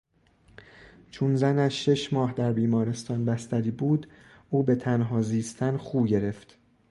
چون زنش شش ماه در بیمارستان بستری بود او به تنها زیستن خو گرفت.